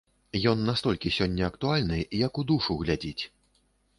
Ён настолькі сёння актуальны, як у душу глядзіць.